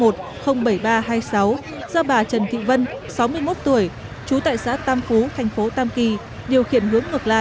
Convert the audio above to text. do bà trần thị vân sáu mươi một tuổi trú tại xã tam phú thành phố tam kỳ điều khiển hướng ngược lại